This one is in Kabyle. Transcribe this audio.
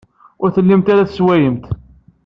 Ur tellimt ara tessewwayemt.